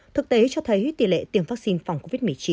thực tế cho thấy tỷ lệ tiêm vaccine phòng covid một mươi chín